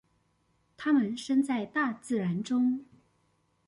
他們身在大自然中